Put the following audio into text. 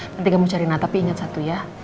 nanti kamu cari rena tapi ingat satu ya